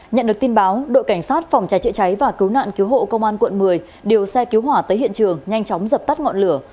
nhận được tin báo đội cảnh sát phòng cháy chữa cháy và cứu nạn cứu hộ công an quận một mươi điều xe cứu hỏa tới hiện trường nhanh chóng dập tắt ngọn lửa